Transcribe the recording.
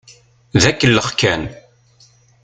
D akellex kan.